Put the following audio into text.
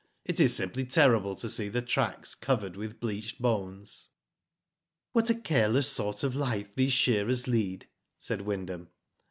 It is simply terrible to see the tracks covered with bleached bones." *'What a careless sort of life these shearers lead," said Wyndham.